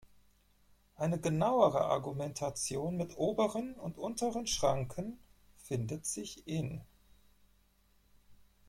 Eine genauere Argumentation mit oberen und unteren Schranken findet sich in.